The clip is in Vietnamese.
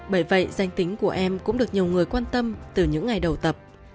bởi vậy danh tính của em cũng được nhiều người quan tâm từ những ngày đầu tập